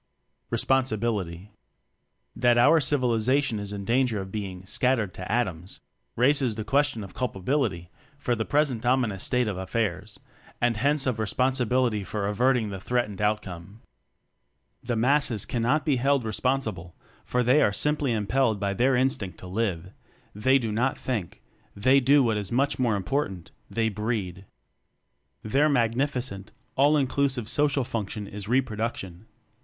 Responsibility. That our Civilization is in danger of Toeing "shattered to atoms," raises the question of culpability for the present ominous state of affairs, and hence of responsibility for averting the threatened outcome. The Masses cannot be held respon sible, for they are simply impelled by their instinct "to live"; they do not think, they do what is much more im portant: they breed. Their magnifi cent all inclusive social function is re production.